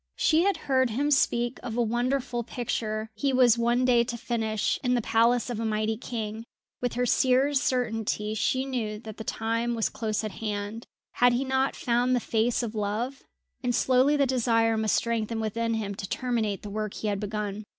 She had heard him speak of a wonderful picture he was one day to finish in the palace of a mighty king. With her seer's certainty she knew that the time was close at hand had he not found the face of love, and slowly the desire must strengthen within him to terminate the work he had begun.